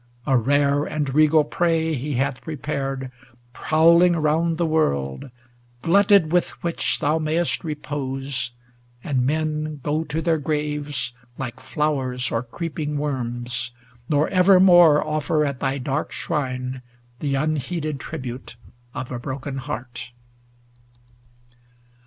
A rare and regal prey He hath prepared, prowling around tlie world ; 620 Glutted with which thou mayst repose, and men Go to their graves like flowers or creeping worms, Nor ever more offer at thy dark shrine The unheeded tribute of a broken heart.